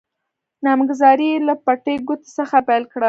نامګذارې يې له بټې ګوتې څخه پیل کړل.